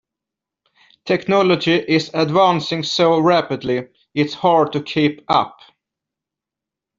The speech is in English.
Technology is advancing so rapidly, it's hard to keep up.